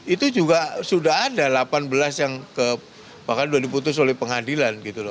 itu juga sudah ada delapan belas yang bahkan sudah diputus oleh pengadilan gitu loh